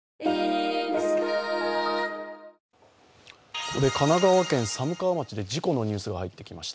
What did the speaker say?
ここで神奈川県寒川町で事故のニュースが入ってきました。